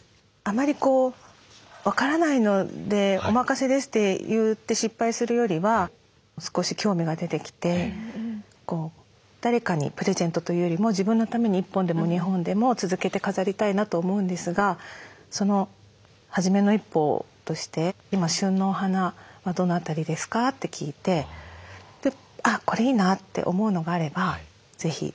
「あまり分からないのでお任せです」って言って失敗するよりは少し興味が出てきて誰かにプレゼントというよりも自分のために１本でも２本でも続けて飾りたいなと思うんですがその初めの一歩として「今旬のお花はどの辺りですか？」って聞いてあっこれいいなって思うのがあればぜひ。